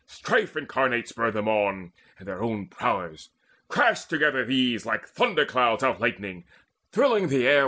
Strife incarnate spurred them on, And their own prowess. Crashed together these Like thunderclouds outlightening, thrilling the air.